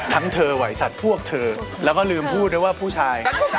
เธอวัยสัตว์พวกเธอแล้วก็ลืมพูดด้วยว่าผู้ชาย